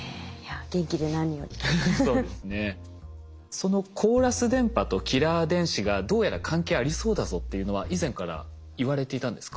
そのコーラス電波とキラー電子がどうやら関係ありそうだぞっていうのは以前からいわれていたんですか？